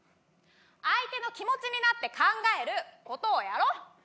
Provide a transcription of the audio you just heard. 相手の気持ちになって考える事をやろう？